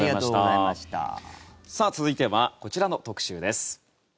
続いてはこちらの特集です。